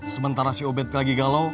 sementara si obet lagi galau